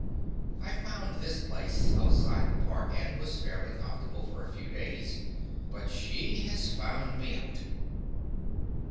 I found this place, outside the Park, and was fairly comfortable for a few days, but she has found me out.